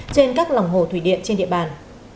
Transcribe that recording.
trên các lòng hồ thủy điện trên địa bàn